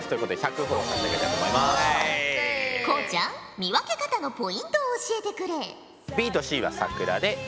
こうちゃん見分け方のポイントを教えてくれ。